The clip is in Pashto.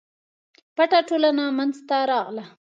پټه ټولنه منځته راغله.